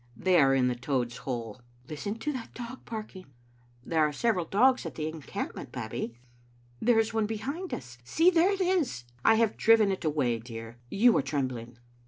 "They are in the Toad's hole." " Listen to that dog barking. "" There are several dogs at the encampment. Babbie." "There is one behind us. See, there it is!" " I have driven it away, dear. You are trembling.